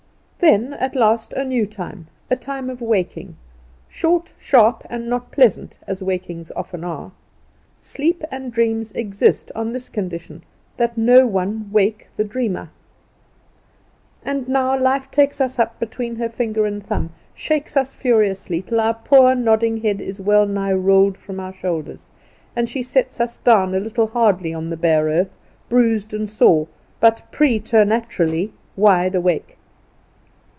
Then at last a new time the time of waking; short, sharp, and not pleasant, as wakings often are. Sleep and dreams exist on this condition that no one wake the dreamer. And now life takes us up between her finger and thumb, shakes us furiously, till our poor nodding head is well nigh rolled from our shoulders, and she sets us down a little hard on the bare earth, bruised and sore, but preternaturally wide awake.